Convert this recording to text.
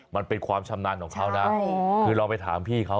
มันเป็นความชำนาญของเขานะคือเราไปถามพี่เขา